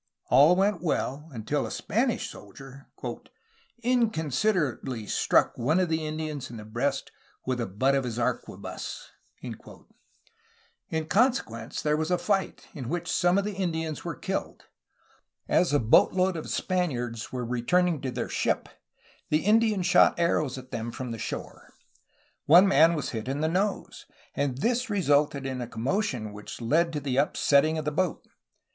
All went well, until a Spanish soldier SEBASTIAN VIZCAINO 127 ''inconsiderately struck one of the Indians in the breast with the butt of his arquebus/' In consequence there was a fight, in which some of the Indians were killed, but as a boatload of Spaniards were returning to their ship the Indians shot arrows at them from the shore. One man was hit in the nose, and this resulted in a commotion which led to upsetting the boat.